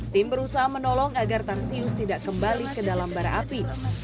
tim berusaha menolong agar tarsius tidak kembali ke dalam bara api